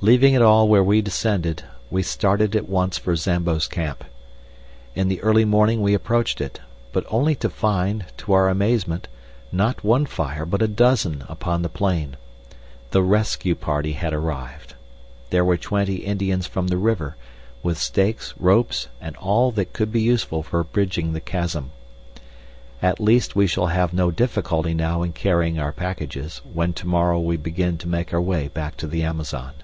Leaving it all where we descended, we started at once for Zambo's camp. In the early morning we approached it, but only to find, to our amazement, not one fire but a dozen upon the plain. The rescue party had arrived. There were twenty Indians from the river, with stakes, ropes, and all that could be useful for bridging the chasm. At least we shall have no difficulty now in carrying our packages, when to morrow we begin to make our way back to the Amazon.